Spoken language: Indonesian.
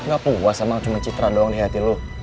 gak puas emang cuma citra doang di hati lu